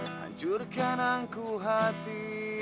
hancurkan angku hati